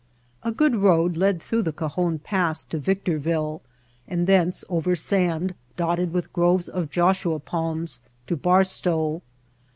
A good road led through the Cajon Pass to Victorville and thence over sand dotted with groves of Joshua palms to Barstow.